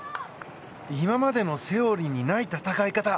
今までのセオリーにない戦い方。